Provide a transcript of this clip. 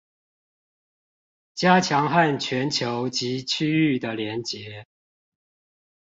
加強和全球及區域的連結